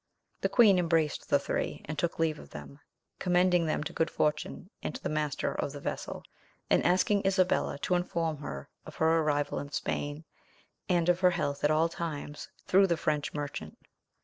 The queen embraced the three, and took leave of them, commending them to good fortune and to the master of the vessel, and asking Isabella to inform her of her arrival in Spain, and of her health at all times through the French merchant.